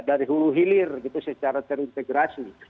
dari hulu hilir gitu secara terintegrasi